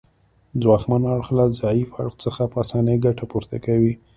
ځواکمن اړخ له ضعیف اړخ څخه په اسانۍ ګټه پورته کوي